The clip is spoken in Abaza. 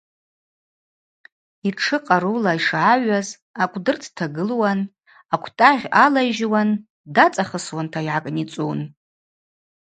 Йтшы къарула йшгӏагӏвуаз акӏвдыр дтагылуан, аквтӏагъь алайжьуан, дацӏахысуанта йгӏакӏницӏун.